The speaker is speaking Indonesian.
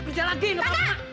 kerja lagi enak anak